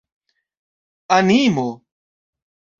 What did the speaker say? animo